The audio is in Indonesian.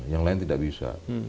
yang lain tidak bisa